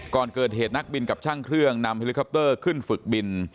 ก่อนเกิดเหตุนักบินกับช่างเครื่องนำเฮลิคอปเตอร์ขึ้นฝึกบิน